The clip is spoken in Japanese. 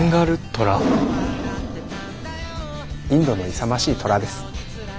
インドの勇ましいトラです。